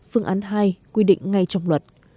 phương án hai quy định ngay trong luật